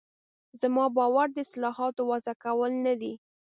زما باور د اصطلاحاتو وضع کول نه دي.